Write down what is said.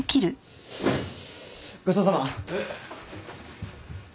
ごちそうさま。